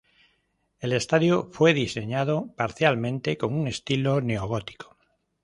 El estadio fue diseñado parcialmente con un estilo neogótico.